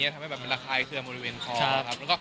ทำให้มันระคายเคือบริเวณคอร์